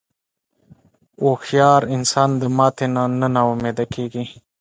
هوښیار انسان د ماتې نه نا امیده نه کېږي.